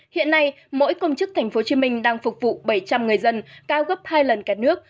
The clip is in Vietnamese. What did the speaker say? hiện nay mỗi công chức thành phố hồ chí minh đang phục vụ bảy trăm linh người dân cao gấp hai lần cả nước